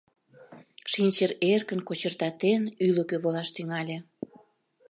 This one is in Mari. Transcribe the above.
Шинчыр эркын, кочыртатен ӱлыкӧ волаш тӱҥале.